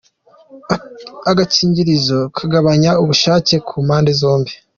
Agakingirizo kagabanya ubushake ku mpande zombi.